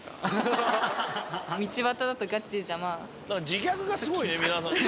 自虐がすごいね皆さんの。